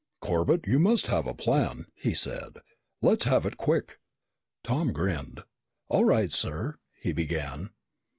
"Corbett, you must have a plan," he said. "Let's have it quick." Tom grinned. "All right, sir," he began.